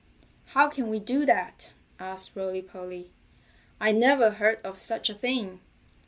"How can we do that?" asked Rolly Polly. "I never heard of such a thing.